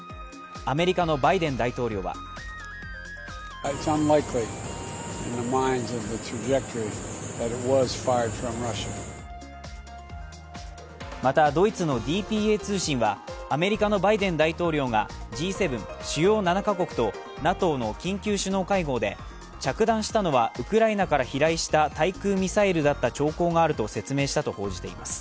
アメリカのバイデン大統領はまた、ドイツのＤＰＡ通信はアメリカのバイデン大統領がＧ７＝主要７か国とＮＡＴＯの緊急首脳会合で着弾したのはウクライナから飛来した対空ミサイルだった兆候があると説明したと報じています。